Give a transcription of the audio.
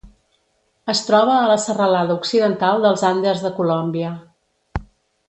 Es troba a la serralada Occidental dels Andes de Colòmbia.